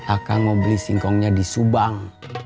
akang mau beli singkongnya di subang